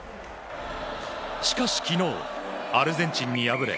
しかし、昨日アルゼンチンに敗れ